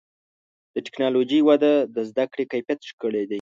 د ټکنالوجۍ وده د زدهکړې کیفیت ښه کړی دی.